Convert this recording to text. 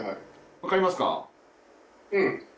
分かりますか？